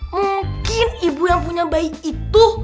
mungkin ibu yang punya bayi itu